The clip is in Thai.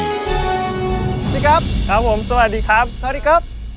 สวัสดีครับ